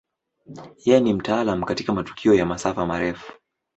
Yeye ni mtaalamu katika matukio ya masafa marefu.